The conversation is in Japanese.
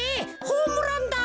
ホームランだ！